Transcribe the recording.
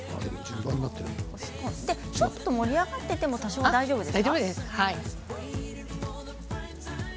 ちょっと盛り上がっていても大丈夫です。